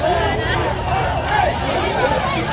เฮียเฮียเฮีย